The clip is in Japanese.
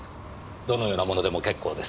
どのようなものでも結構です。